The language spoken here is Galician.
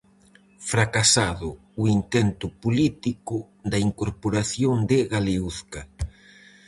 Fracasado o intento político da incorporación de Galeuzca.